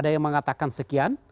ada yang mengatakan sekian